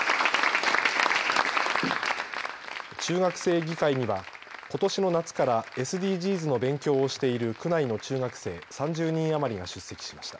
中学生議会にはことしの夏からＳＤＧｓの勉強をしている区内の中学生３０人余りが出席しました。